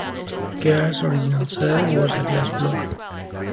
Kerr's original cell was a glass block.